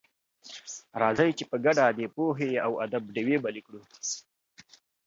راځئ چې په ګډه د پوهې او ادب ډېوې بلې کړو.